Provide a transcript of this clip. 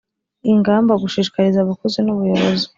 Ingamba gushishikariza abakozi n ubuyobozi